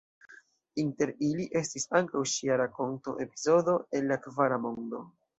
Inter ili estis ankaŭ ŝia rakonto „Epizodo el la Kvara Mondo“.